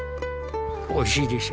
おいしいですよ。